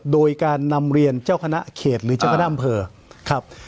โดยการนำเรียนเจ้าคณะเขตหรือเจ้าคณะอำเภอครับ